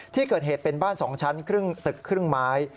ที่เกิดเหตุเป็นบ้านสองชั้นตึกครึ่งไม้